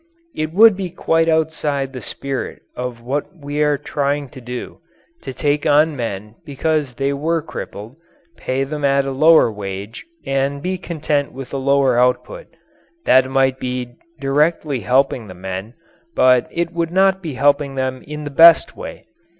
It would be quite outside the spirit of what we are trying to do, to take on men because they were crippled, pay them a lower wage, and be content with a lower output. That might be directly helping the men but it would not be helping them in the best way.